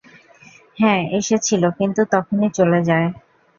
হ্যাঁ, এসেছিল কিন্তু তখনই চলে যায়।